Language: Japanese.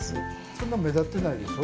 そんな目立ってないでしょ